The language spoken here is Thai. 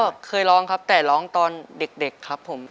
ก็เคยร้องครับแต่ร้องตอนเด็กครับผม